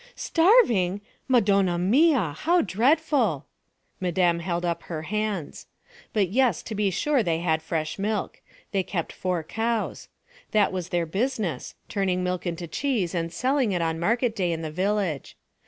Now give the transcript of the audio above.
'Starving! Madonna mia, how dreadful!' Madame held up her hands. But yes, to be sure they had fresh milk. They kept four cows. That was their business turning milk into cheese and selling it on market day in the village.